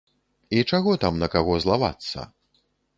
І чаго там на каго злавацца?